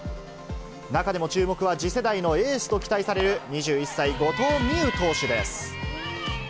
中でも注目は、次世代のエースと期待される２１歳、後藤希友投手です。